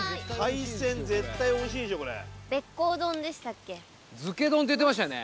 海鮮絶対美味しいでしょこれ。って言ってましたよね。